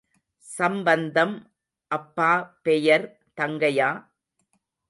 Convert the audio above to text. சம்பந்தம், அப்பா பெயர் தங்கையா.